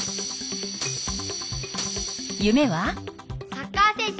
「サッカー選手」！